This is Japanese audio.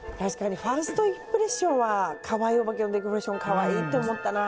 ファーストインプレッションはかわいいオバケのデコレーション可愛いって思ったな。